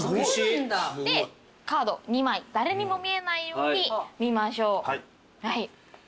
でカード２枚誰にも見えないように見ましょう。